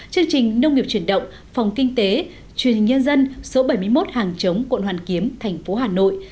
chương trình nông nghiệp truyền động phòng kinh tế truyền hình nhân dân số bảy mươi một hàng chống quận hoàn kiếm tp hà nội